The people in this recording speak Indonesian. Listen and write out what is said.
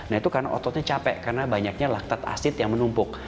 nah itu karena ototnya capek karena banyaknya laktat asid yang menumpuk